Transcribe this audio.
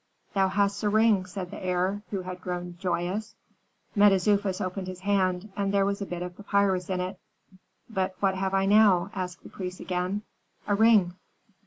"Thou hast a ring," said the heir, who had grown joyous. Mentezufis opened his hand; there was a bit of papyrus in it. "But what have I now?" asked the priest again. "A ring."